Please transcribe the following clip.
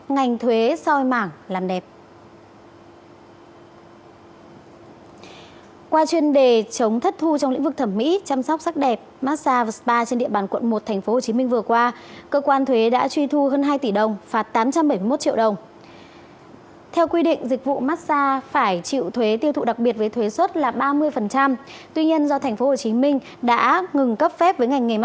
ngành thuế soi mảng làm đẹp